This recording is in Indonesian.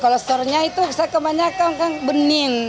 kalau sornya itu bisa kebanyakan benin